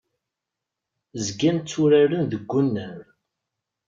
Zgan tturaren deg unnar.